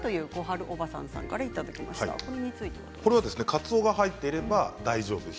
カツオが入っていれば大丈夫です。